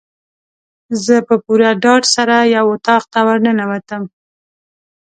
زه په پوره ډاډ سره یو اطاق ته ورننوتم.